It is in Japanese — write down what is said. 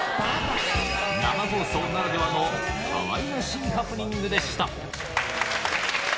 生放送ならではの、かわいらしいハプニングでした。